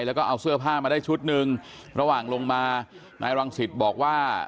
แล้วก็เอาเสื้อผ้ามาได้ชุดหนึ่งระหว่างลงมานายรังสิตบอกว่า